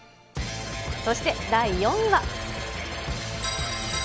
そして、第４位は。